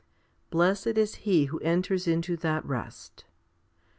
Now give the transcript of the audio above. Blessed is he who enters into that rest.